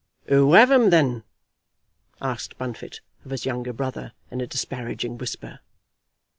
"Who have 'em, then?" asked Bunfit of his younger brother, in a disparaging whisper.